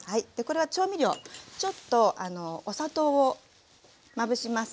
これは調味料ちょっとお砂糖をまぶします。